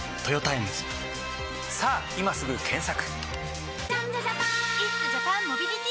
さぁ今すぐ検索！